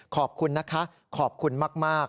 ขอบคุณนะคะขอบคุณมาก